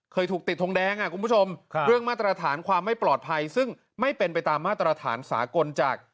เคยถูกติดทงแดงคุณผู้ชมเรื่องมาตรฐานความไม่ปลอดภัยซึ่งไม่เป็นไปตามมาตรฐานสากลจาก